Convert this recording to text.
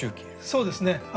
そうですね。